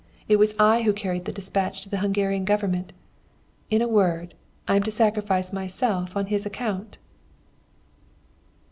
It was I who carried the despatch to the Hungarian Government. In a word: I am to sacrifice myself on his account!"